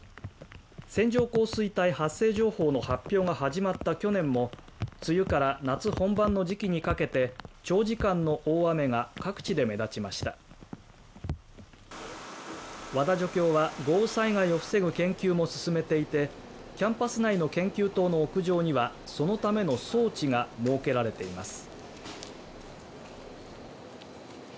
線状降水帯発生情報の発表が始まった去年も梅雨から夏本番の時期にかけて長時間の大雨が各地で目立ちました和田助教は豪雨災害を防ぐ研究も進めていてキャンパス内の研究棟の屋上にはそのための装置が設けられています